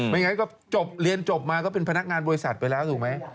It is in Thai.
งั้นก็จบเรียนจบมาก็เป็นพนักงานบริษัทไปแล้วถูกไหม